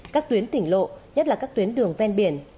các tuyến tỉnh lộ nhất là các tuyến đường ven biển